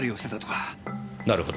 なるほど。